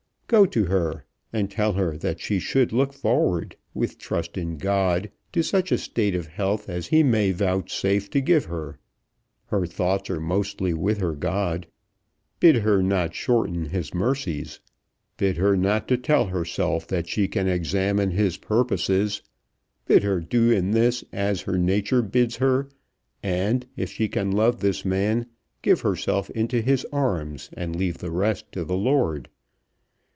"Go to her, and tell her that she should look forward, with trust in God, to such a state of health as He may vouchsafe to give her. Her thoughts are mostly with her God. Bid her not shorten His mercies. Bid her not to tell herself that she can examine His purposes. Bid her do in this as her nature bids her, and, if she can love this man, give herself into his arms and leave the rest to the Lord."